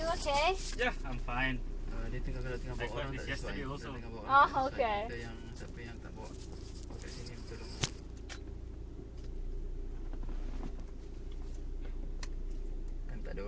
โอเคฉันจะปล่อยความรู้สึก